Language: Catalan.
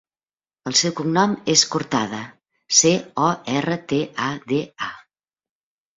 El seu cognom és Cortada: ce, o, erra, te, a, de, a.